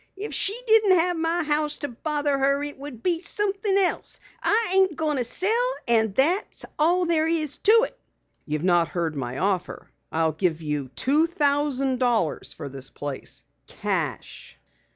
"If she didn't have my house to bother her it would be somethin' else. I ain't goin' to sell and that's all there is to it!" "You've not heard my offer. I'll give you two thousand dollars for this place cash."